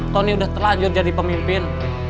tony udah terlanjur jadi pemimpin